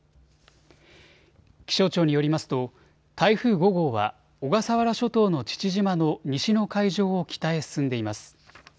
気象庁によりますと台風５号は小笠原諸島の父島の西の海上を北へ進んでいます。